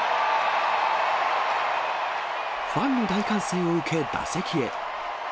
ファンの大歓声を受け、打席へ。